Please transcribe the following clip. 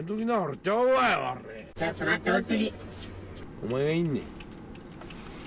お前がいんねん。